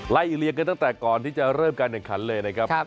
ไล่อีเลียกันตั้งแต่ก่อนที่เริ่มการเหนือกคัน